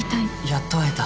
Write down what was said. やっと会えた。